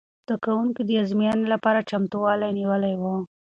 زده کوونکو د ازموینې لپاره چمتووالی نیولی و.